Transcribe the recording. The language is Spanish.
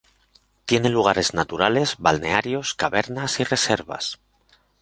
Tiene lugares naturales, balnearios, cavernas y reservas.